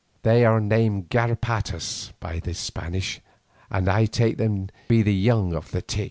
They are named garrapatas by the Spanish, and I take them to be the young of the tic.